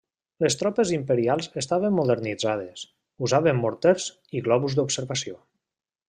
Les tropes imperials estaven modernitzades, usaven morters i globus d'observació.